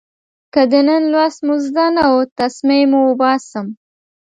که د نن لوست مو زده نه و، تسمې مو اوباسم.